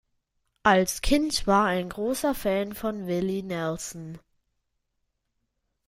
Als Kind war ein großer Fan von Willie Nelson.